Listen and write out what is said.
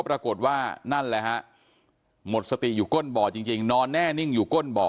ปรากฏว่านั่นแหละฮะหมดสติอยู่ก้นบ่อจริงนอนแน่นิ่งอยู่ก้นบ่อ